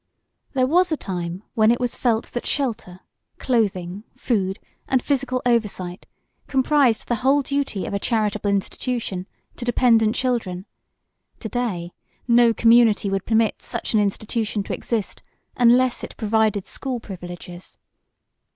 There was a time when it was felt that shelter, clothing, food and physical oversight comprised the whole duty of a charitable institution to dependent children; to day no community would permit such an institution to exist unless it provided school privileges.